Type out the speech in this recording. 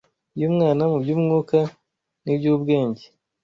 y’umwana mu by’umwuka n’iby’ubwenge